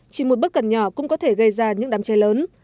chỉ một bức cẩn nhỏ cũng có thể gây ra những đám cháy lớn